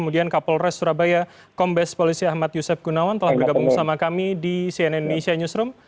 dan kapolres surabaya kombes polisi ahmad yusef gunawan telah bergabung sama kami di cnn indonesia newsroom